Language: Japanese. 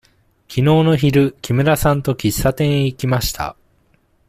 きのうの昼、木村さんと喫茶店へ行きました。